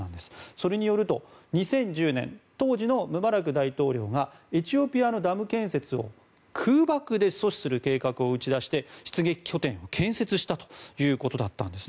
それによると、２０１０年当時のムバラク大統領がエチオピアのダム建設を空爆で阻止する計画を打ち出して、出撃拠点を建設したということなんです。